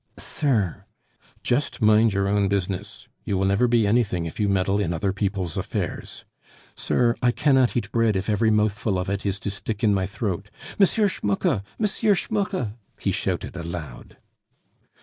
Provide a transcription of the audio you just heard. "Sir " "Just mind your own business; you will never be anything if you meddle in other people's affairs." "Sir, I cannot eat bread if every mouthful of it is to stick in my throat.... Monsieur Schmucke! M. Schmucke!" he shouted aloud.